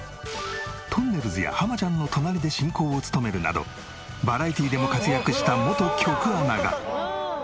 とんねるずや浜ちゃんの隣で進行を務めるなどバラエティでも活躍した元局アナが。